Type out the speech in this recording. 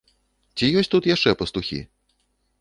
Ці ёсць тут яшчэ пастухі?